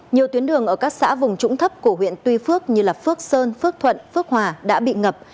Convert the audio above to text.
nhiều tuyến đường ở các xã vùng trũng thấp của huyện tuy phước như phước sơn phước thuận phước hòa đã bị ngập